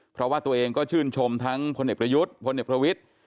เพราะว่าตัวเองก็ชื่นชมทั้งพลเอกประยุทธ์พลเอกประวิทธิ์